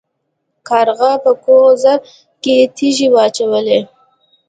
کارغه په کوزه کې تیږې واچولې.